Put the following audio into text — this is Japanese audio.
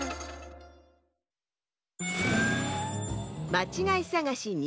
まちがいさがし２